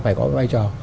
phải có vai trò